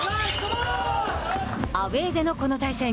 アウェーでのこの対戦。